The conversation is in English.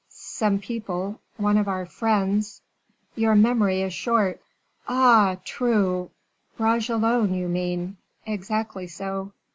"Some people one of our friends " "Your memory is short." "Ah! true; Bragelonne, you mean." "Exactly so."